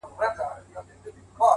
• چي د زرکي سوې نارې ویل قیامت دی ,